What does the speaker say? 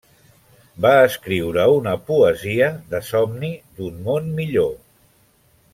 Va escriure una poesia de somni d'un món millor.